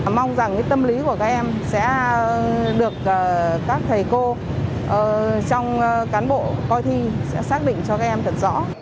mong rằng tâm lý của các em sẽ được các thầy cô trong cán bộ coi thi sẽ xác định cho các em thật rõ